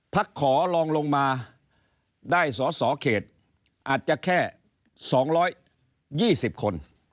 ขอลองลงมาได้สอสอเขตอาจจะแค่๒๒๐คน